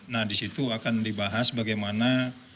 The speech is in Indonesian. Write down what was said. nah di situ akan dibahas bagaimana